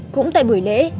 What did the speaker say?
cũng tại buổi lễ